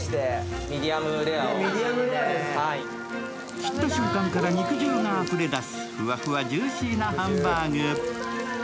切った瞬間から肉汁があふれ出す、ふわふわジューシーなハンバーグ。